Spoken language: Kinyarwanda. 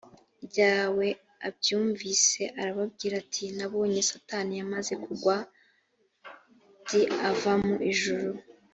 ryawe abyumvise arababwira ati nabonye satani yamaze kugwa d ava mu ijuru